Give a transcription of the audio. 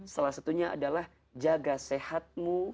salah satunya adalah jaga sehatmu